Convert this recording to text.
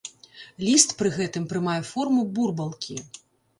Ліст пры гэтым прымае форму бурбалкі.